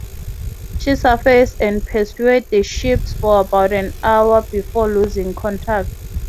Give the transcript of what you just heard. She surfaced and pursued the ships for about an hour before losing contact.